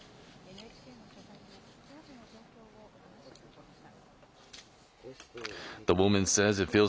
ＮＨＫの取材に、当時の状況を話してくれました。